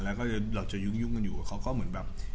แล้วก็แล้วจะยุ่งกับเขาก็เหมือนแบบ